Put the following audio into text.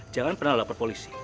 jangan pernah lapor polisi